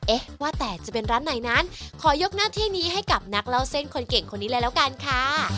เอ๊ะว่าแต่จะเป็นร้านไหนนั้นขอยกหน้าที่นี้ให้กับนักเล่าเส้นคนเก่งคนนี้เลยแล้วกันค่ะ